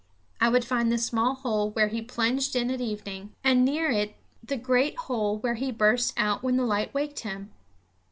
I would find the small hole where he plunged in at evening, and near it the great hole where he burst out when the light waked him.